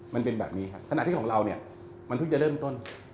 มันเป็นแบบนี้สถานที่ของเรามันพึ่งจะเริ่มต้น